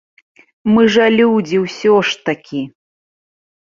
Мы жа людзі ўсё ж такі!